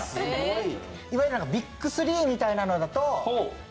いわゆるＢＩＧ３みたいなのだと。